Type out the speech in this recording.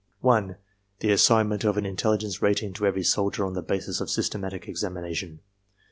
1. The assignment of an intelligence rating to every soldier on the basis of systematic examination.